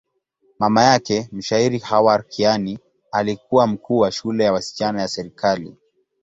Mama yake, mshairi Khawar Kiani, alikuwa mkuu wa shule ya wasichana ya serikali.